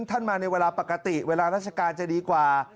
ท่านมาในเวลาปกติเวลาราชการจะดีกว่า